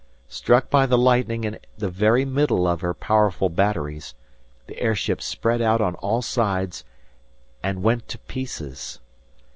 Struck by the lightning in the very middle of her powerful batteries, the air ship spread out on all sides and went to pieces.